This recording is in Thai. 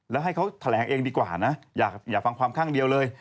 แล้วให้เขาแถลงเองดีกว่านะอย่าฟังความข้างเดียวเลย